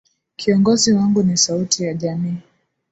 Kiongozi wangu ni sauti ya jamii.